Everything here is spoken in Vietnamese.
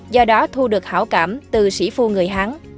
do đó thu được hảo cảm từ sĩ phu người hán